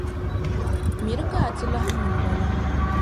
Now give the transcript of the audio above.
Miri ka a ti lahi niŋ lala.